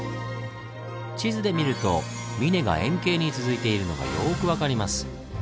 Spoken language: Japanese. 地図で見ると峰が円形に続いているのがよく分かります。